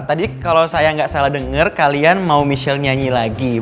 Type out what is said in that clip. tadi kalau saya nggak salah dengar kalian mau michel nyanyi lagi